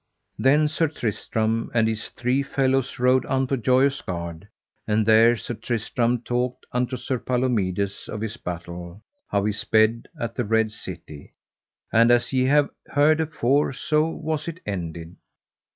Then Sir Tristram and his three fellows rode unto Joyous Gard; and there Sir Tristram talked unto Sir Palomides of his battle, how he sped at the Red City, and as ye have heard afore so was it ended.